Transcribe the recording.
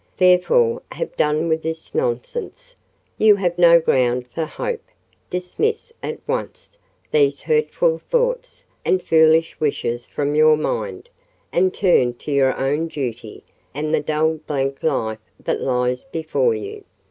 Therefore, have done with this nonsense: you have no ground for hope: dismiss, at once, these hurtful thoughts and foolish wishes from your mind, and turn to your own duty, and the dull blank life that lies before you.